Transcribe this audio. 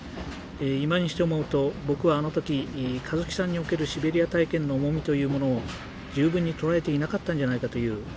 今にして思うと僕はあの時香月さんにおけるシベリア体験の重みというものを十分に捉えていなかったんじゃないかという気がするんです。